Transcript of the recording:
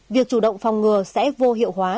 việc chủ động phòng ngừa sẽ vô hiệu hóa